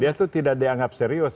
dia itu tidak dianggap serius